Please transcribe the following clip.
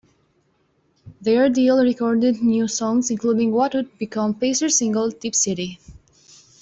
There Deal recorded new songs, including what would become "Pacer"s single, "Tipp City".